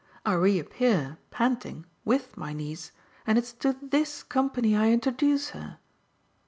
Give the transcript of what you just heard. I reappear, panting, with my niece and it's to THIS company I introduce her!"